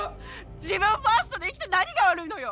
自分ファーストで生きて何が悪いのよ。